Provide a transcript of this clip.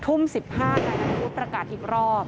ทุ่มสิบห้าในนัทพุธประกาศอีกรอบ